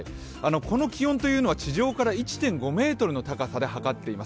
この気温は地上から１．５ｍの高さで測っています。